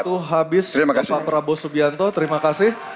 waktu habis pak prabowo subianto terima kasih